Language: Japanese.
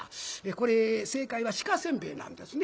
これ正解は鹿煎餅なんですね。